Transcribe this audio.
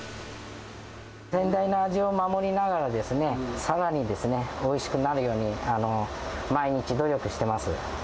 先代の味を守りながらですね、さらにですね、おいしくなるように、毎日努力してます。